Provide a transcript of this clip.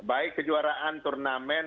baik kejuaraan turnamen